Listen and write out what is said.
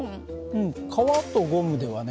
うん革とゴムではね